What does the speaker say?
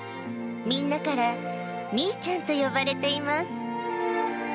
みんなから、みいちゃんと呼ばれています。